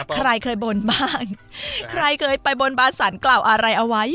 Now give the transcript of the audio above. ใครเคยบนบ้างใครเคยไปบนบาสันกล่าวอะไรเอาไว้